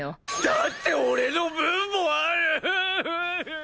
だって俺の分もある！